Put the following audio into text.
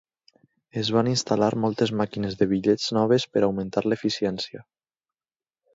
Es van instal·lar moltes màquines de bitllets noves per augmentar l'eficiència.